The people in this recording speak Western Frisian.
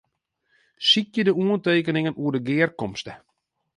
Sykje de oantekeningen oer de gearkomste.